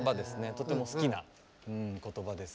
とても好きな言葉です。